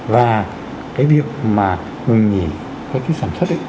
các doanh nghiệp mà ngừng nghỉ có chứ sản xuất